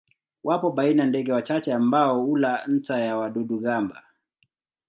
Wapo baina ndege wachache ambao hula nta ya wadudu-gamba.